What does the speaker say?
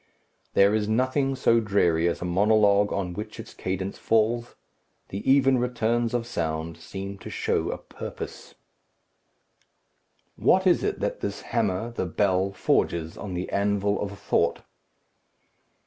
There is nothing so dreary as a monologue on which its cadence falls. The even returns of sound seem to show a purpose. What is it that this hammer, the bell, forges on the anvil of thought?